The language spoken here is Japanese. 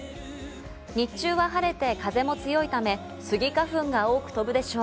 日中は晴れて風も強いため、スギ花粉が多く飛ぶでしょう。